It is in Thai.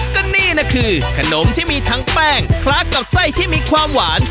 ก็นี่นะคือขนมที่มีทั้งแป้งคลักกับไส้ที่มีความหวาน